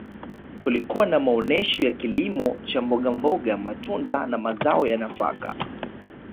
kulikuwa na maonesho ya kilimo cha mbogamboga matunda na mazao ya nafaka